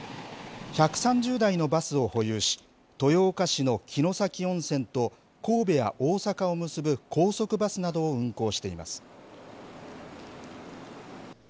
１３０台のバスを保有し、豊岡市の城崎温泉と神戸や大阪を結ぶ高速バスなどを運行しています。